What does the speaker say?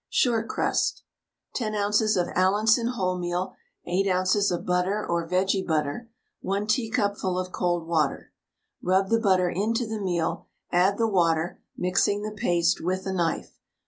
SHORT CRUST. 10 oz. of Allinson wholemeal, 8 oz. of butter or vege butter, 1 teacupful of cold water. Rub the butter into the meal, add the water, mixing the paste with a knife.